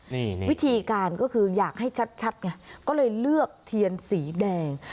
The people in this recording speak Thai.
นี่วิธีการก็คืออยากให้ชัดไงก็เลยเลือกเทียนสีแดง